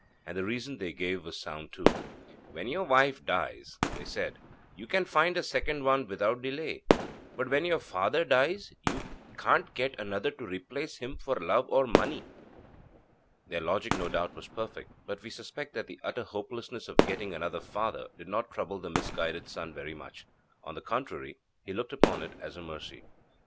And the reason they gave was sound too. 'When your wife dies,' they said, 'you can find a second one without delay. But when your father dies, you can't get another to replace him for love or money.' Their logic no doubt was perfect, but we suspect that the utter hopelessness of getting another father did not trouble the misguided son very much. On the contrary, he looked upon it as a mercy.